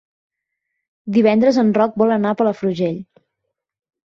Divendres en Roc vol anar a Palafrugell.